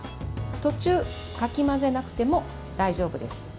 途中、かき混ぜなくても大丈夫です。